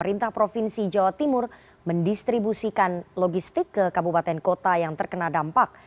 perintah provinsi jawa timur mendistribusikan logistik ke kabupaten kota yang terkena dampak